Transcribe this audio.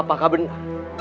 atau apakah benar